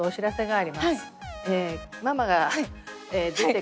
あ。